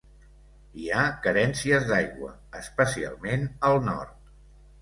Hi ha carències d'aigua, especialment al nord.